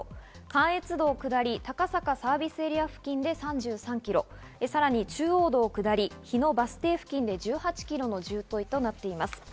関越道下りの高坂サービスエリア付近で３３キロ、さらに中央道下り日野バス停付近で１８キロの渋滞となっています。